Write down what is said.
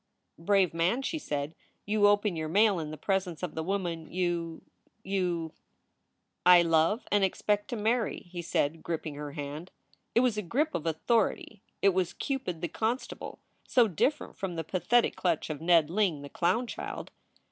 "Brave man," she said, "you open your mail in the pres ence of the woman you you " "I love and expect to marry," he said, gripping her hand. It was a grip of authority. It was Cupid the constable, so different from the pathetic clutch of Ned Ling the clown child.